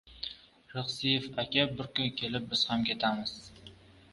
Rixsiyev aka, bir kun kelib biz ham ketamiz.